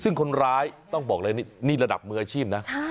ซึ่งคนร้ายต้องบอกเลยนี่ระดับมืออาชีพนะ